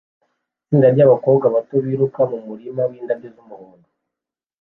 Itsinda ryabakobwa bato biruka mumurima windabyo zumuhondo